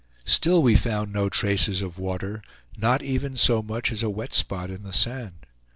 Still we found no traces of water, not even so much as a wet spot in the sand.